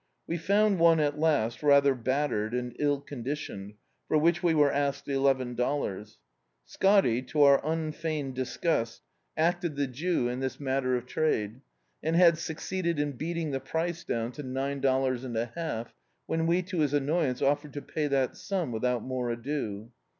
We found one, at last, rather battered, and ill condi tioned, for which we were asked eleven dollars. Scotty, to our unfeigned disgust, acted the Jew in Do.icdt, Google The House Boat this matter of trade, and had succeeded in beating the price down to nine dollars and a half when we to his annoyance offered to pay that sum without more ado.